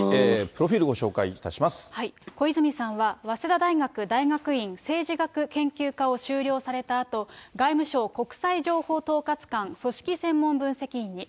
プロフィールをご紹介いたし小泉さんは、早稲田大学大学院政治学研究科を修了されたあと、外務省国際情報統括官組織専門分析員に。